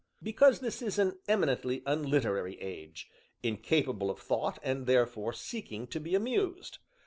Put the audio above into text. "Because this is an eminently unliterary age, incapable of thought, and therefore seeking to be amused.